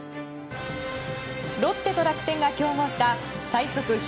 ロッテと楽天が競合した最速